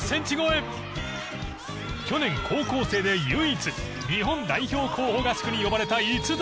去年高校生で唯一日本代表候補合宿に呼ばれた逸材。